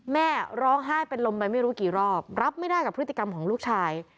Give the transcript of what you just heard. แม่ร้องไห้เป็นลมไปไม่รู้กี่รอบรับไม่ได้กับพฤติกรรมของลูกชาย